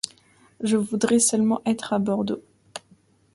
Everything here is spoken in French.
Je voudrais seulement être à Bordeaux.